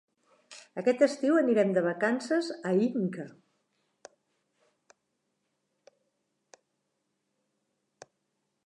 Aquest estiu anirem de vacances a Inca.